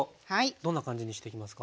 どんな感じにしていきますか？